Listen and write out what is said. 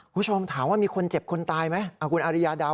คุณผู้ชมถามว่ามีคนเจ็บคนตายไหมคุณอาริยาเดา